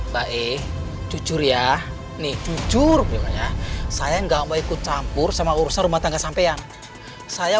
baik jujur ya nih jujur saya enggak mau ikut campur sama urusan rumah tangga sampai yang saya